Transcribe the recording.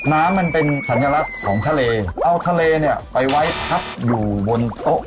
น้ำมันเป็นสัญลักษณ์ของทะเลเอาทะเลเนี่ยไปไว้ทับอยู่บนโต๊ะ